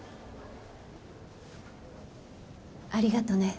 ありがとね正樹。